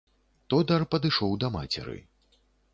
Тодар падышоў да мацеры.